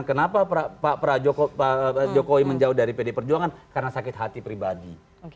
kenapa pak jokowi menjauh dari pd perjuangan karena sakit hati pribadi